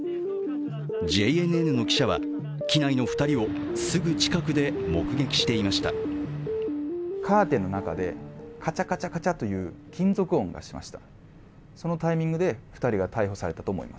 ＪＮＮの記者は機内の２人をすぐ近くで目撃していました。